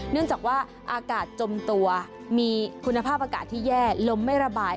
เนื่องจากว่าอากาศจมตัวมีคุณภาพอากาศที่แย่ลมไม่ระบาย